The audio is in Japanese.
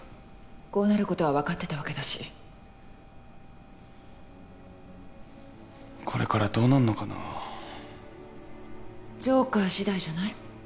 こうなることは分かってたわけだしこれからどうなんのかなジョーカー次第じゃない？